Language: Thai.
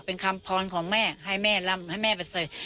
เป็นคำพรของแม่ให้แม่ลำให้แม่ไปเสย